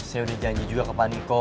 saya udah janji juga ke pak niko